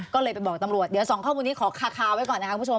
ก็เลยไปบอกตำรวจเดี๋ยวสองข้อมูลนี้ขอคาไว้ก่อนนะคะคุณผู้ชม